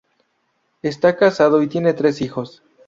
Está casado y tiene tres hijos.